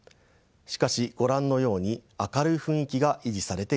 しかし御覧のように明るい雰囲気が維持されています。